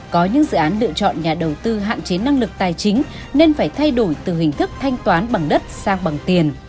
có những dự án lựa chọn nhà đầu tư hạn chế năng lực tài chính nên phải thay đổi từ hình thức thanh toán bằng đất sang bằng tiền